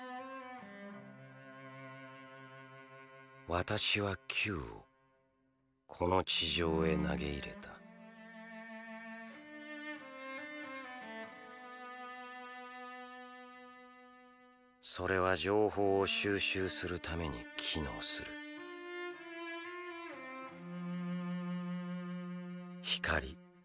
私は球をこの地上へ投げ入れたそれは情報を収集するために機能する光。